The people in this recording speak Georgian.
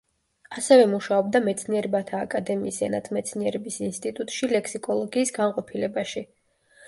ასევე მუშაობდა მეცნიერებათა აკადემიის ენათმეცნიერების ინსტიტუტში ლექსიკოლოგიის განყოფილებაში.